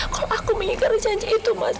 kalau aku mengingat janji itu mas